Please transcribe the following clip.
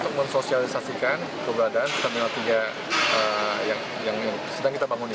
untuk mensosialisasikan keberadaan terminal tiga yang sedang kita bangun ini